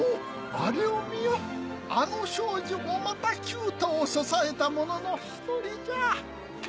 あれを見よあの少女もまた九太を支えた者の１人じゃ。